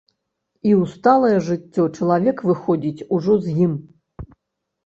І ў сталае жыццё чалавек выходзіць ужо з ім.